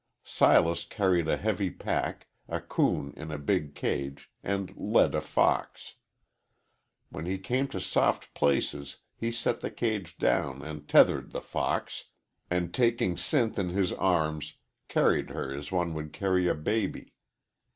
Silas carried a heavy pack, a coon in a big cage, and led a fox. When he came to soft places he set the cage down and tethered the fox, and, taking Sinth in his arms, carried her as one would carry a baby.